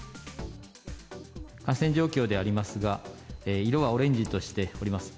感染状況でありますが、色はオレンジとしております。